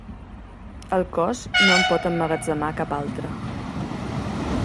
El cos no en pot emmagatzemar cap altra.